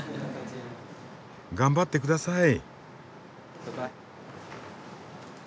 頑張ってください。